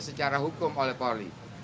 secara hukum oleh poli